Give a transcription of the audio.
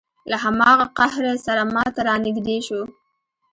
له هماغه قهره سره ما ته را نږدې شو.